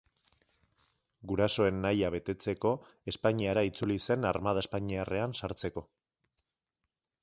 Gurasoen nahia betetzeko Espainiara itzuli zen armada espainiarrean sartzeko.